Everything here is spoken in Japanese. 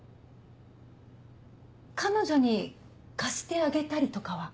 彼女に貸してあげたりとかは？